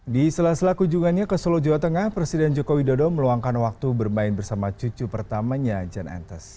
di sela sela kunjungannya ke solo jawa tengah presiden joko widodo meluangkan waktu bermain bersama cucu pertamanya jan entes